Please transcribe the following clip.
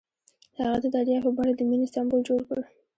هغه د دریاب په بڼه د مینې سمبول جوړ کړ.